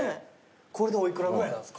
これでお幾らぐらいなんすか？